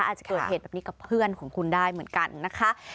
อาจจะเกิดเหตุแบบนี้กับเพื่อนของคุณได้เหมือนกันนะคะ